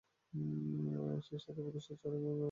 সেই সাথে পুলিশের চর এবং অন্যান্য গুপ্তচরদের কথাও বলতে হয়।